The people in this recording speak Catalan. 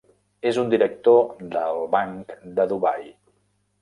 És un director del Banc de Dubai.